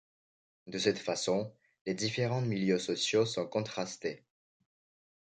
De cette façon, les différents milieux sociaux sont contrastés.